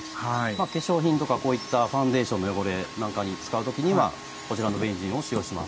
化粧品とかこういったファンデーションの汚れなんかに使う時にはこちらのベンジンを使用します。